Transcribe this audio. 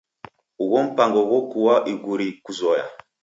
Ugho mpango ghokua iguri kuzoya.